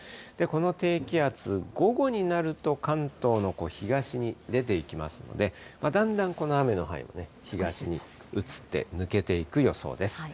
この低気圧、午後になると関東の東に出ていきますので、だんだんこの雨の範囲、東に移って抜けていく予想です。